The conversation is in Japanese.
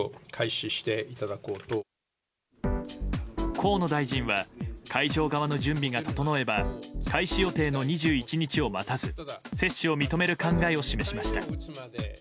河野大臣は会場側の準備が整えば開始予定の２１日を待たず接種を認める考えを示しました。